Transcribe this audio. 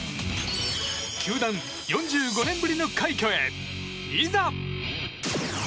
球団４５年ぶりの快挙へ、いざ！